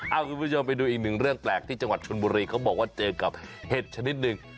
เอาคุณผู้ชมไปดูอีกหนึ่งเรื่องแปลกที่จังหวัดชนบุรีเขาบอกว่าเจอกับเห็ดชนิดหนึ่ง